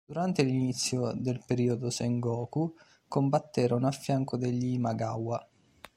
Durante l'inizio del periodo Sengoku combatterono a fianco degli Imagawa.